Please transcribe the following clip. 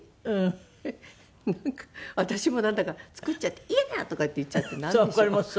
私もなんだか作っちゃって「やだ」とかって言っちゃってなんでしょう。